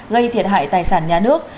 gây thiệt hại tài sản nhà nước